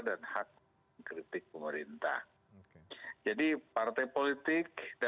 dan kebebasan mengkritik